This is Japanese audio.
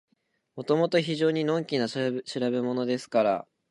もともと非常にのんきな調べものですから、